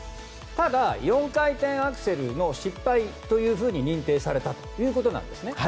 ただ、４回転アクセルの失敗と認定されたということなんです。